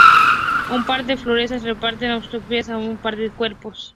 Un par de forenses realizan autopsias a un par de cuerpos.